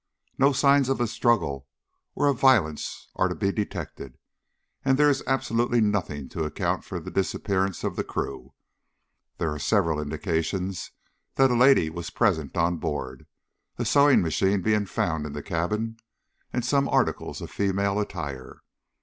No signs of a struggle or of violence are to be detected, and there is absolutely nothing to account for the disappearance of the crew. There are several indications that a lady was present on board, a sewing machine being found in the cabin and some articles of female attire.